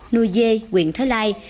nuôi dê quận thới lai